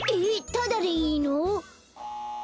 タダでいいの？